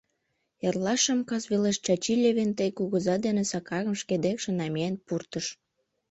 Эрлашым кас велеш Чачи Левентей кугыза ден Сакарым шке декше намиен пуртыш.